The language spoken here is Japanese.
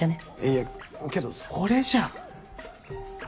いやけどそれじゃあ。